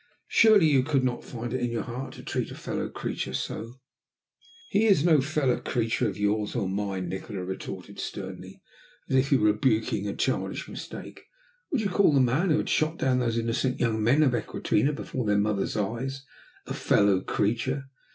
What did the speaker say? "Surely you could not find it in your heart to treat a fellow creature so?" "He is no fellow creature of yours or mine," Nikola retorted sternly, as if he were rebuking a childish mistake. "Would you call the man who shot down those innocent young men of Equinata, before their mothers' eyes, a fellow creature?